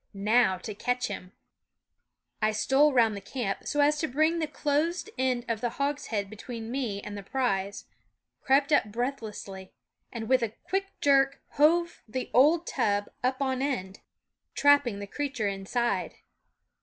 Now to catch him !" I stole round the camp, so as to bring the closed end of the hogshead between me and the prize, crept up breathlessly, and with a H quick jerk hove the old tub up on end, THE WOODS trapping the creature inside.